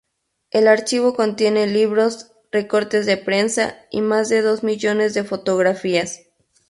El Archivo contiene libros, recortes de prensa y más de dos millones de fotografías.